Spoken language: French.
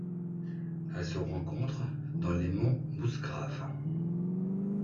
Elle se rencontre dans les monts Musgrave.